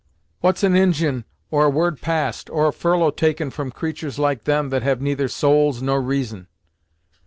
"What's an Injin, or a word passed, or a furlough taken from creatur's like them, that have neither souls, nor reason!"